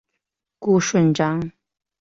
顾顺章。